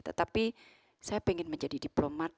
tetapi saya ingin menjadi diplomat